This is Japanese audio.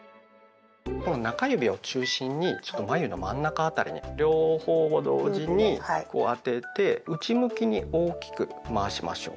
この中指を中心にちょっと眉の真ん中辺りに両方を同時にこう当てて内向きに大きく回しましょう。